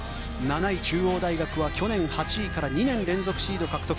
７位、中央大学は去年８位から２年連続シード獲得。